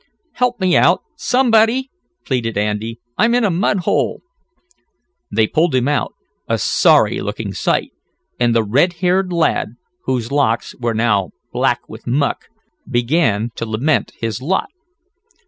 "Help me out, somebody!" pleaded Andy. "I'm in a mud hole!" They pulled him out, a sorry looking sight, and the red haired lad, whose locks were now black with muck, began to lament his lot.